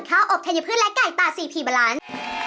ข้าวอบเทนยพืชและไก่ตา๔พีบรรลันด์